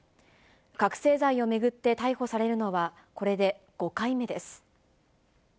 覚醒剤を巡って逮捕されるのは、これで５回目です。